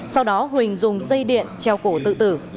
sau đó huỳnh dùng dây điện treo cổ tự tử